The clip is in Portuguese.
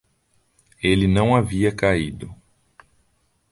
Ele não havia caído